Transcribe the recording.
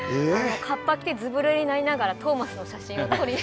カッパ着てずぶぬれになりながらトーマスの写真を撮り。